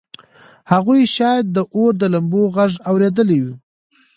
هغوی شاید د اور د لمبو غږ اورېدلی و